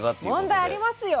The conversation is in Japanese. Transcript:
問題ありますよ！